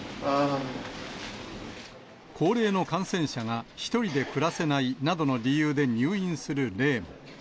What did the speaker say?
高齢の感染者が１人で暮らせないなどの理由で入院する例も。